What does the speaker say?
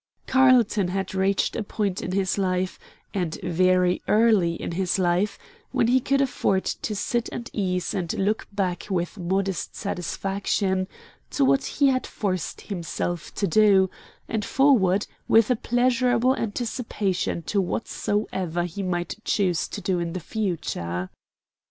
Carlton had reached a point in his life, and very early in his life, when he could afford to sit at ease and look back with modest satisfaction to what he had forced himself to do, and forward with pleasurable anticipations to whatsoever he might choose to do in the future.